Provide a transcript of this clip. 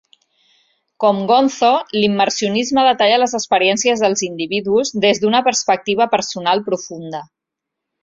Com Gonzo, l'immersionisme detalla les experiències dels individus des d'una perspectiva personal profunda.